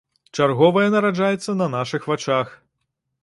Чарговая нараджаецца на нашых вачах.